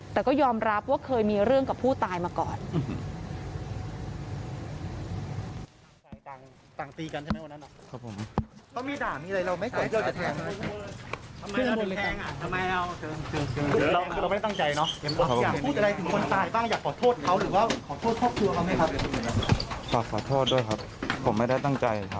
แต่ก็ยอมรับว่าเคยมีเรื่องกับผู้ตายมาก่อน